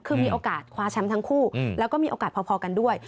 คือมีโอกาสคว้าแชมป์ทั้งคู่แล้วก็มีโอกาสพอกันด้วย